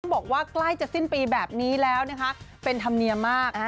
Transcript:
บอกว่าใกล้จะสิ้นปีแบบนี้แล้วนะคะเป็นธรรมเนียมมาก